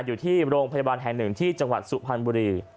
อยู่ที่โรงพยาบาลแห่งหนึ่งที่จังหวัดสุพรรณบุรี